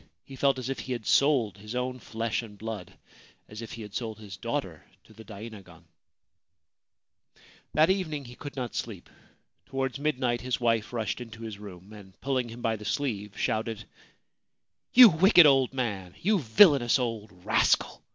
He felt as if he had sold his own flesh and blood — as if he had sold his daughter — to the dainagon. That evening he could not sleep. Towards midnight his wife rushed into his room, and, pulling him by the sleeve, shouted : c You wicked old man ! You villainous old rascal